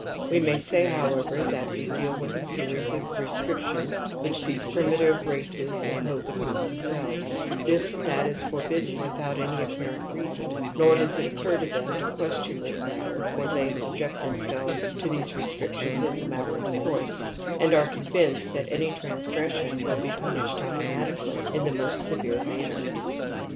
We may say, however, that^e deal with a series of restric tions which these prinaitive races impose upon ^« themselves ; this and that is forbidden without ^^ I any apparent reason ;\ior does it occur to them to question this matter, for they subject them selves to these restrictions as a matter of course and are convinced that any transgression will be pimished automatically in the most severe manner.